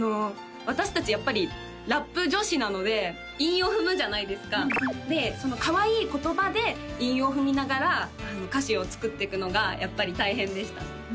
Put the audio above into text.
私達やっぱりラップ女子なので韻を踏むじゃないですかかわいい言葉で韻を踏みながら歌詞を作っていくのがやっぱり大変でしたね